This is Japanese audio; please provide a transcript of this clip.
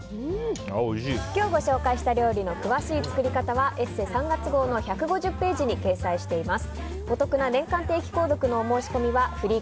今日ご紹介した料理の詳しい作り方は「ＥＳＳＥ」３月号の１５０ページに掲載しています。